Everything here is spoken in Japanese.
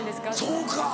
そうか。